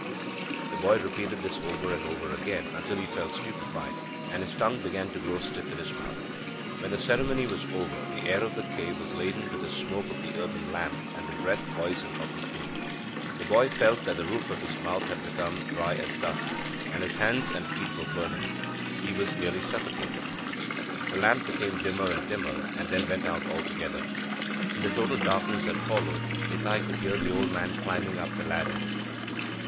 The boy repeated this over and over again, until he felt stupefied, and his tongue began to grow stiff in his mouth. When the ceremony was over, the air of the cave was laden with the smoke of the earthen lamp and the breath poison of the two. The boy felt that the roof of his mouth had become dry as dust, and his hands and feet were burning. He was nearly suffocated. The lamp became dimmer and dimmer, and then went out altogether. In the total darkness that followed, Nitai could hear the old man climbing up the ladder.